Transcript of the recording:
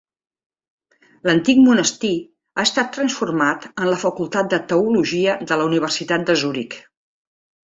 L'antic monestir ha estat transformat en la Facultat de Teologia de la Universitat de Zuric.